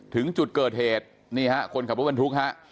ถึงจุดเกิดเหตุนี่ฮะคนขับรถบรรทุกฮะ